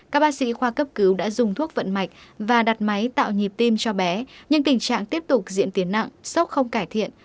các bác sĩ khoa cấp cứu đã dùng thuốc vận mạch và đặt máy tạo nhịp tim cho bé nhưng tình trạng tiếp tục diễn tiến nặng sốc không cải thiện